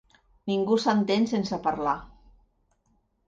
Ningú s'entén sense parlar.